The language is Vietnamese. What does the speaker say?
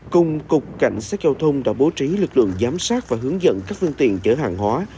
cùng cục cảnh sát giao thông đã bố trí lực lượng giám sát và hướng dẫn các phương tiện chở hàng hóa